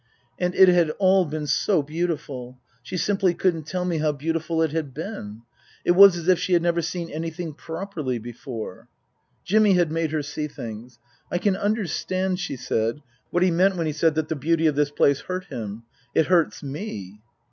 And it had all been so beautiful. She simply couldn't tell me how beautiful it had been. It was as if she had never seen anything properly before. Jimmy had made her see things. " I can understand," she said, " what he meant when he said that the beauty of this place hurt him. It hurts me."